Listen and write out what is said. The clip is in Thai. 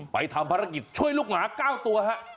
ไปทำภารกิจช่วยลูกหมา๙ตัวครับ